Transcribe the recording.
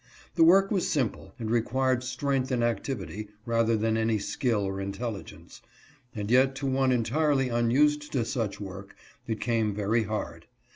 The work was simple, and required strength and activity, rather than any skill or intelligence ; and yet to one entirely unused to such work, it came very hard.